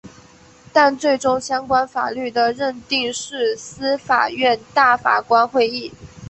但最终相关法律的认定是司法院大法官会议。